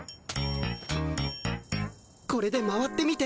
これで回ってみて。